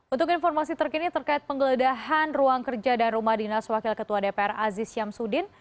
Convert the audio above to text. untuk informasi terkini terkait penggeledahan ruang kerja dan rumah dinas wakil ketua dpr aziz syamsuddin